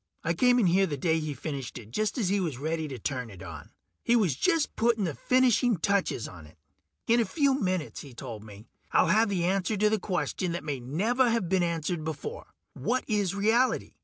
I came in here the day he finished it, just as he was ready to turn it on. He was just putting the finishing touches on it. "In a few minutes," he told me, "I'll have the answer to a question that may never have been answered before: what is reality?